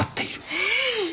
ええ。